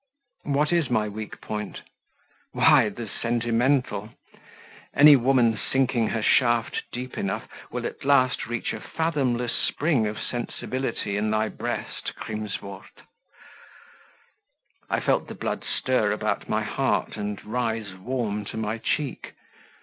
"What is my weak point?" "Why, the sentimental. Any woman sinking her shaft deep enough, will at last reach a fathomless spring of sensibility in thy breast, Crimsworth." I felt the blood stir about my heart and rise warm to my cheek.